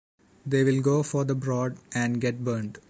They will go for the broad and get burned.